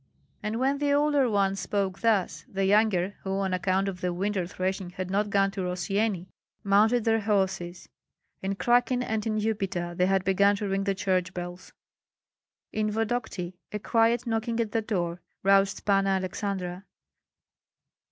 And when the older ones spoke thus, the younger, who on account of the winter threshing had not gone to Rossyeni, mounted their horses. In Krakin and in Upita they had begun to ring the church bells. In Vodokty a quiet knocking at the door roused Panna Aleksandra.